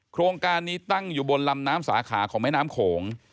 โครงการนี้ตั้งอยู่บนลำน้ำสาขาของแม่น้ำโขง